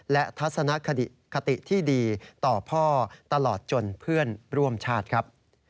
และทัศนคติที่ดีต่อพ่อตลอดจนเพื่อนร่วมชาติครับ